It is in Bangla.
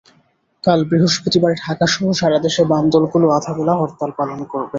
কাল বৃহস্পতিবার ঢাকাসহ সারা দেশে বাম দলগুলো আধা বেলা হরতাল পালন করবে।